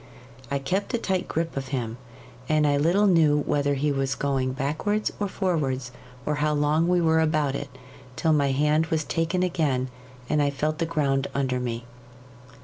I kept a tight grip of him, and I little knew whether he was going backwards or forwards, or how long we were about it, till my hand was taken again, and I felt the ground under me.